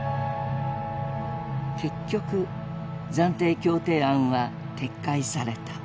結局暫定協定案は撤回された。